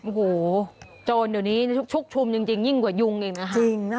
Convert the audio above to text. โอ้โหโจรเดี๋ยวนี้ชุกชุมจริงยิ่งกว่ายุงอีกนะคะ